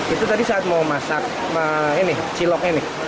itu tadi saat mau masak ini cilok ini